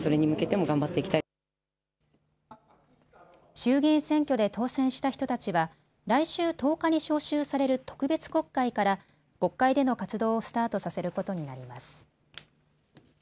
衆議院選挙で当選した人たちは来週１０日に召集される特別国会から国会での活動をスタートさせることになります。